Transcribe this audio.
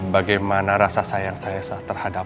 bagaimana rasa sayang saya terhadap